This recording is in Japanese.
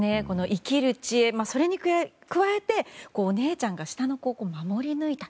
生きる知恵それに加えて、お姉ちゃんが下の子を守り抜いた。